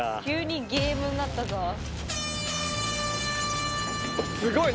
急にゲームになったぞ。